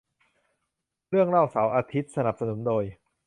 เรื่องเล่าเสาร์อาทิตย์ สนับสนุนโดย